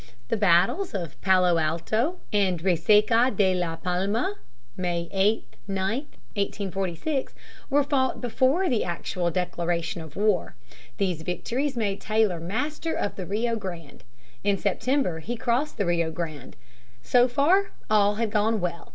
The battles of Palo Alto and Resaca de la Palma (May 8, 9, 1846) were fought before the actual declaration of war. These victories made Taylor master of the Rio Grande. In September he crossed the Rio Grande. So far all had gone well.